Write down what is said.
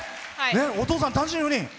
お父さん、単身赴任。